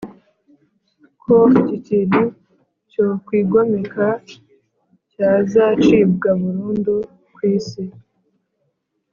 Ko ikikintu cyokwigomeka cyazacibwa burundu ku isi